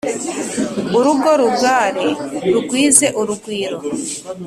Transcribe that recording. Urugo rugare rugwize urugwiro